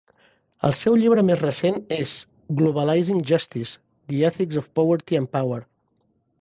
El seu llibre més recent és "Globalizing justice: the ethics of poverty and power".